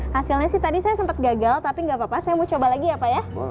hasilnya sih tadi saya sempat gagal tapi nggak apa apa saya mau coba lagi ya pak ya